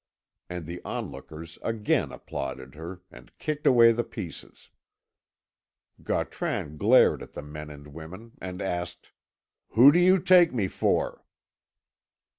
And the onlookers again applauded her, and kicked away the pieces. Gautran glared at the men and women, and asked: "Who do you take me for?"